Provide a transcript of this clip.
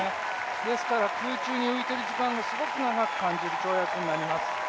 ですから空中に浮いてる時間がすごく長く感じる跳躍になります。